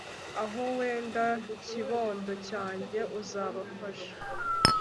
aho wenda kibondo cyange uzabafashe